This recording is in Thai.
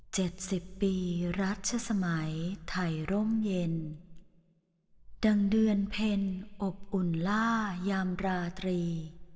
สิบปีรัชสมัยไทยร่มเย็นดังเดือนเพ็ญอบอุ่นล่ายามราตรี